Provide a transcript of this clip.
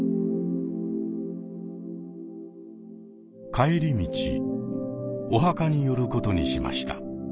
帰り道お墓に寄ることにしました。